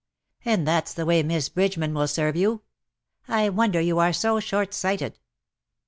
And that's the way Miss Bridgeman will serve you. I wonder you are so short sighted